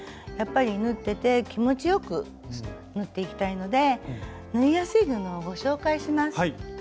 やっぱり縫ってて気持ちよく縫っていきたいので縫いやすい布をご紹介します。